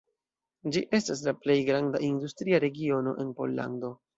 Ĝi estas la plej granda industria regiono en Pollando.